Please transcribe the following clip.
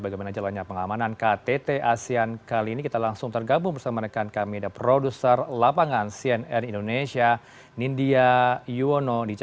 selamat siang heranov